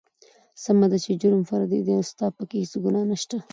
سمه ده چې جرم فردي دى او ستا پکې هېڅ ګنا نشته.